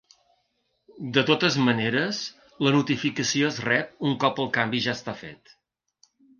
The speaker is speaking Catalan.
De totes maneres, la notificació es rep un cop el canvi ja està fet.